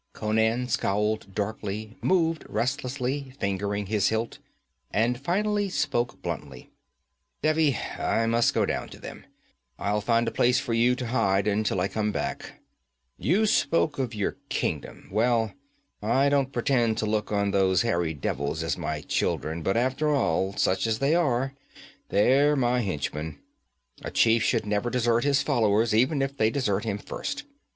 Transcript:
Conan scowled darkly, moved restlessly, fingering his hilt, and finally spoke bluntly: 'Devi, I must go down to them. I'll find a place for you to hide until I come back to you. You spoke of your kingdom well, I don't pretend to look on those hairy devils as my children, but after all, such as they are, they're my henchmen. A chief should never desert his followers, even if they desert him first.